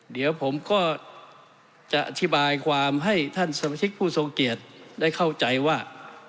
เดี๋ยวผมก็จะอธิบายความให้ท่านสมาชิกผู้ทรงเกียจได้เข้าใจว่า